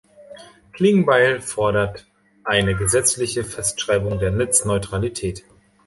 Klingbeil fordert eine gesetzliche Festschreibung der Netzneutralität.